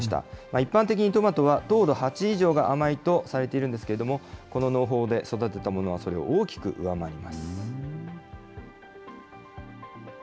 一般的にトマトは、糖度８以上が甘いとされているんですけれども、この農法で育てたものはそれを大きく上回ります。